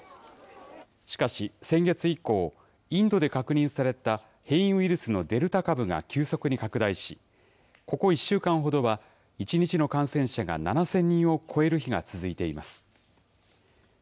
しかし、先月以降、インドで確認された変異ウイルスのデルタ株が急速に拡大し、ここ１週間ほどは１日の感染者が７０００人を超える日が続いています。